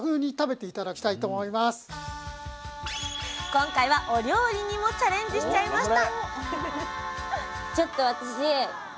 今回はお料理にもチャレンジしちゃいました！